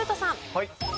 はい。